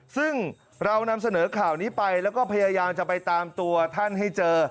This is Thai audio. ซึ่งเรานำเสนอข่าวนี้ไปแล้วก็พยายามจะไปตามตัวท่านให้เจอ